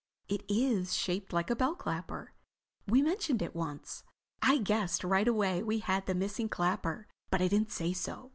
It is shaped like a bell clapper—we mentioned it once. "I guessed right away we had the missing clapper. But I didn't say so.